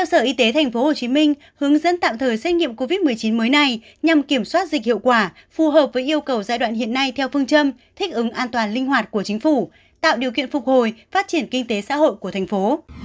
sở y tế tp hcm hướng dẫn tạm thời xét nghiệm covid một mươi chín mới này nhằm kiểm soát dịch hiệu quả phù hợp với yêu cầu giai đoạn hiện nay theo phương châm thích ứng an toàn linh hoạt của chính phủ tạo điều kiện phục hồi phát triển kinh tế xã hội của thành phố